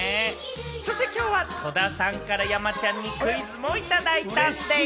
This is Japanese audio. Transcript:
そしてきょうは戸田さんから山ちゃんにクイズもいただいたんでぃす。